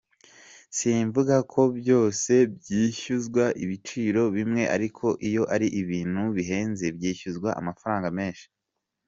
Simvuga ko byose byishyuzwa ibiciro bimwe ariko iyo ari ibintu bihenze byishyuzwa amafaranga menshi.